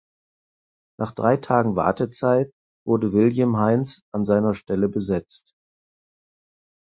Nach drei Tagen Wartezeit wurde William Haines an seiner Stelle besetzt.